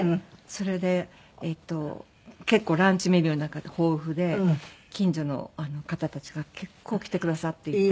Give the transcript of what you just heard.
それで結構ランチメニューなんかが豊富で近所の方たちが結構来てくださっていて。